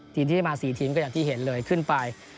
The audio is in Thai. ทีมที่ได้มา๔ทีมก็อย่างที่เห็นเลยขึ้นไป